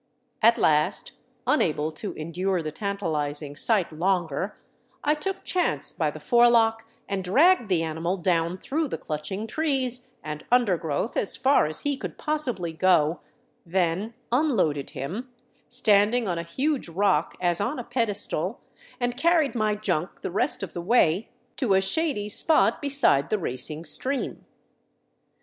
At last, unable to endure the tantalizing sight longer, I took chance by the forelock and dragged the animal down through the clutching trees and undergrowth as far as he could possibly go, then unloaded him, standing on a huge rock as on a pedestal, and carried my junk the rest of the way to a shady spot beside the racing stream.